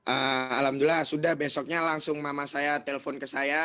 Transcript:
alhamdulillah sudah besoknya langsung mama saya telpon ke saya